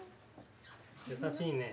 優しいね。